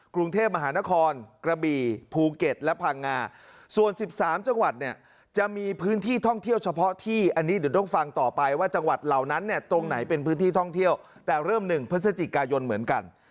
กรุงเทพมหานครกระบี่ภูเก็ตและพังงาส่วน๑๓จังหวัดเนี่ยจะมีพื้นที่ท่องเที่ยวเฉพาะที่อันนี้เดี๋ยวต้องฟังต่อไปว่าจังหวัดเหล่านั้นเนี่ยตรงไหนเป็นพื้นที่ท่องเที่ยวแต่เริ่ม๑พฤศจิกายนเหมือนกัน